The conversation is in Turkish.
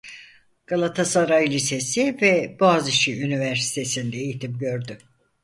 Galatasaray Lisesi ve Boğaziçi Üniversitesi'nde eğitim gördü.